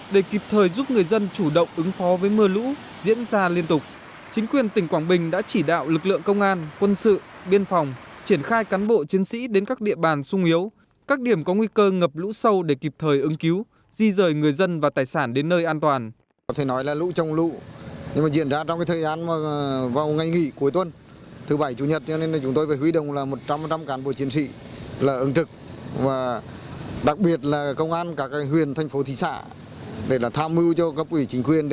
để kịp thời giúp người dân chủ động ứng phó với mưa lũ diễn ra liên tục chính quyền tỉnh quảng bình đã chỉ đạo lực lượng công an quân sự biên phòng triển khai cán bộ chiến sĩ đến các địa bàn sung yếu các điểm có nguy cơ ngập lũ sâu để kịp thời ứng cứu di rời người dân và tài sản đến nơi an toàn